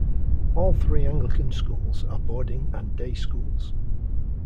All three Anglican schools are boarding and day schools.